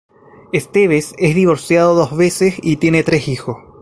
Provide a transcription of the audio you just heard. Esteves es divorciado dos veces y tiene tres hijos.